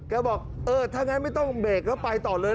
บอกเออถ้างั้นไม่ต้องเบรกแล้วไปต่อเลย